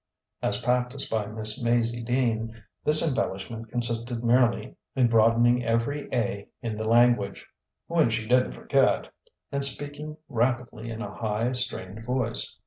As practised by Miss Maizie Dean this embellishment consisted merely in broadening every A in the language (when she didn't forget) and speaking rapidly in a high, strained voice.